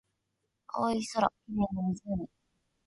青い空、綺麗な湖